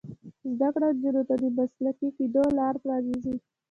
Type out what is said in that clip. زده کړه نجونو ته د مسلکي کیدو لار پرانیزي.